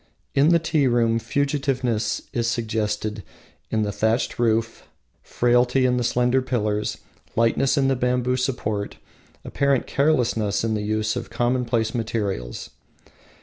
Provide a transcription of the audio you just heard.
In the tea room fugitiveness is suggested in the thatched roof, frailty in the slender pillars, lightness in the bamboo support, apparent carelessness in the use of commonplace materials.